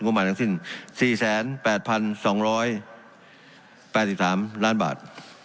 ประมาณทั้งสิ้น๔๘๒๘๓ล้านบาท